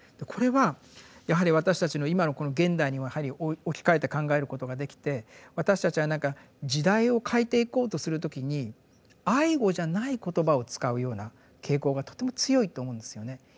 これはやはり私たちの今のこの現代にやはり置き換えて考えることができて私たちは何か時代を変えていこうとする時に「愛語」じゃない言葉をつかうような傾向がとても強いと思うんですよね。